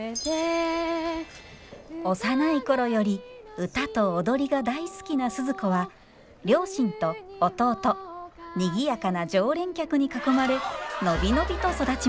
幼い頃より歌と踊りが大好きな鈴子は両親と弟にぎやかな常連客に囲まれ伸び伸びと育ちました。